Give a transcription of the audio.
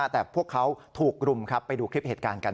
แต่พวกเขาถูกรุมครับไปดูคลิปเหตุการณ์กัน